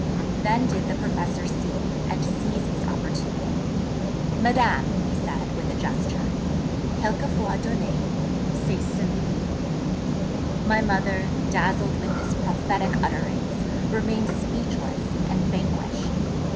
... Then did the Professor see, and seize, his opportunity: 'Madame,' he said, with a gesture, 'quelquefois, donner, c'est semer.' My mother, dazzled with this prophetic utterance, remained speechless and vanquished.